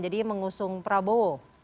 jadi mengusung prabowo